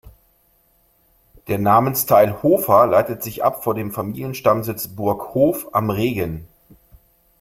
Der Namensteil "Hofer" leitet sich ab von dem Familienstammsitz Burg Hof am Regen.